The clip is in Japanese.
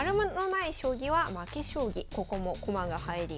ここも駒が入ります。